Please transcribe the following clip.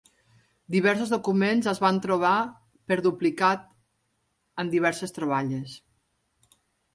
Diversos documents es van trobar per duplicat en diverses troballes.